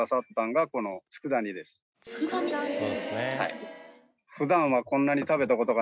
そうですね。